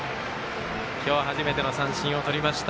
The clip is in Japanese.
今日、初めての三振をとりました。